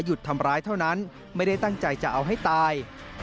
ทำร้ายเท่านั้นไม่ได้ตั้งใจจะเอาให้ตาย